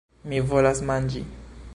Mi volas manĝi!